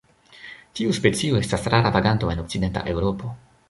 Tiu specio estas rara vaganto en okcidenta Eŭropo.